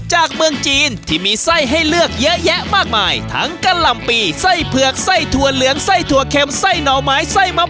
จากเมืองจีนที่มีไส้ให้เลือกเยอะแยะมากมาย